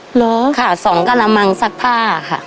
เหรอค่ะ๒กรมังซากผ้าค่ะ